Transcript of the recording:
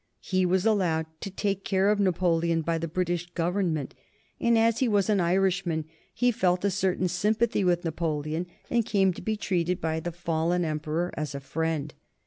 He was allowed to take care of Napoleon by the British Government, and, as he was an Irishman, he felt a certain sympathy with Napoleon and came to be treated by the fallen Emperor as a friend.